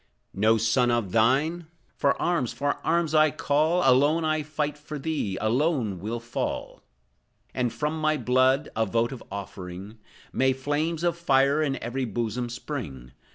No son of thine? For arms, for arms, I call; Alone I'll fight for thee, alone will fall. And from my blood, a votive offering, May flames of fire in every bosom spring!